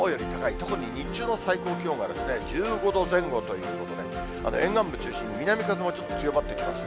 特に日中の最高気温が１５度前後ということで、沿岸部中心に、南風も強まってきますね。